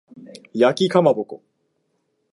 焼きかまぼこ